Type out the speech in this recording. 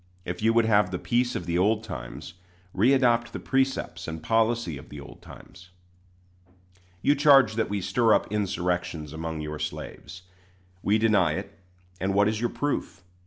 If you would have the peace of the old times, readopt the precepts and policy of the old times. You charge that we stir up insurrections among your slaves. We deny it; and what is your proof?